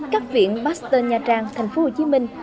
các viện pasteur nha trang thành phố hồ chí minh